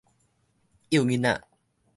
幼囡仔